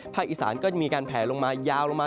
อีสานก็จะมีการแผลลงมายาวลงมา